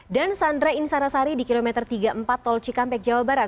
dan sandra insarasari di kilometer tiga puluh empat tol cikampek jawa barat